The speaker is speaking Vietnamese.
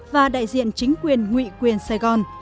và đại diện chính quyền nguyễn quyền sài gòn